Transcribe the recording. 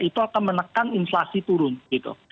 itu akan menekan inflasi turun gitu